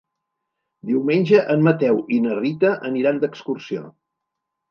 Diumenge en Mateu i na Rita aniran d'excursió.